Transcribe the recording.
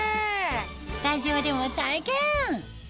スタジオでも体験！